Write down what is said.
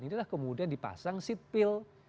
inilah kemudian dipasang seat pill